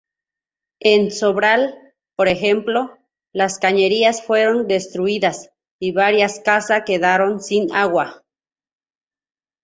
En Sobral, por ejemplo, las cañerías fueron destruidas, y varias casa quedaron sin agua.